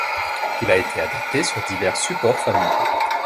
Il a été adapté sur divers supports familiaux.